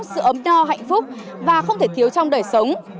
sự ấm no hạnh phúc và không thể thiếu trong đời sống